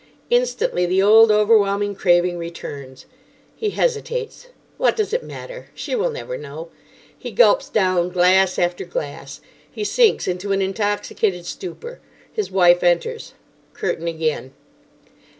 Instantly the old overwhelming craving returns. He hesitates. What does it matter? She will never know. He gulps down glass after glass. He sinks into an intoxicated stupor. His wife enters. Curtain again.